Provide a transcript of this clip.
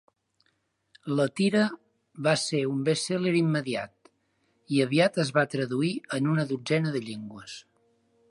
La tira va ser un best-seller immediat i aviat es va traduir en una dotzena de llengües.